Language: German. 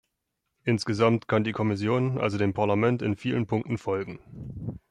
Insgesamt kann die Kommission also dem Parlament in vielen Punkten folgen.